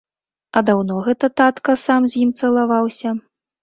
А даўно гэта, татка, сам з ім цалаваўся?